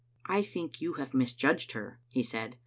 " I think you have misjudged her," he said.